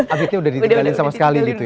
atletnya udah ditinggalin sama sekali gitu ya